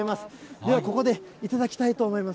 ではここで頂きたいと思います。